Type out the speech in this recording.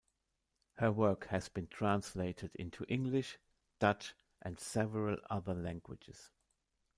Her work has been translated into English, Dutch and several other languages.